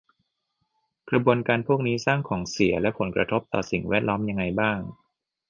กระบวนการพวกนี้สร้างของเสียและผลกระทบต่อสิ่งแวดล้อมยังไงบ้าง